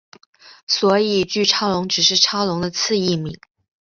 所以巨超龙只是超龙的次异名。